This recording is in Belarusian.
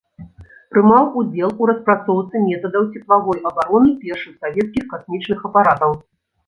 Прымаў удзел у распрацоўцы метадаў цеплавой абароны першых савецкіх касмічных апаратаў.